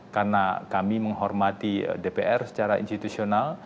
karena kami menghormati dpr secara institusional